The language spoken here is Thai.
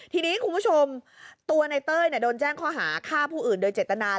ทีนี้คุณผู้ชมตัวในเต้ยโดนแจ้งข้อหาฆ่าผู้อื่นโดยเจตนา